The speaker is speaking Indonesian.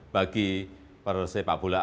bagi proses papunjau